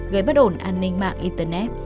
gây bất ổn an ninh mạng internet